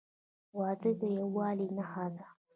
• واده د یووالي نښه ده.